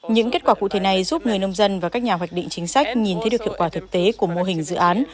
những kết quả cụ thể này giúp người nông dân và các nhà hoạch định chính sách nhìn thấy được hiệu quả thực tế của mô hình dự án